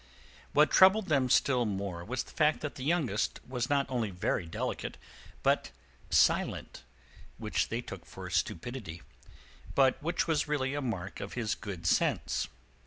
What troubled them still more was the fact that the youngest was not only very delicate, but silent, which they took for stupidity, but which was really a mark of his good sense.